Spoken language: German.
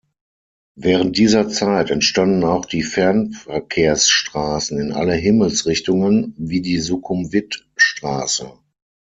Während dieser Zeit entstanden auch die Fernverkehrsstraßen in alle Himmelsrichtungen, wie die Sukhumvit-Straße.